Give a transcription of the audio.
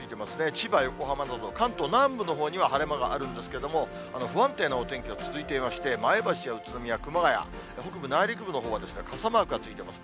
千葉、横浜など、関東南部のほうには晴れ間があるんですけれども、不安定なお天気が続いていまして、前橋や宇都宮、熊谷、北部、内陸部のほうは傘マークがついてます。